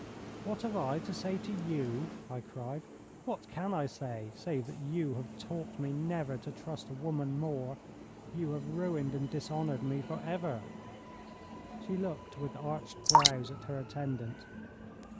'What have I to say to you?' I cried. 'What can I say, save that you have taught me never to trust a woman more? You have ruined and dishonoured me for ever.' She looked with arched brows at her attendant.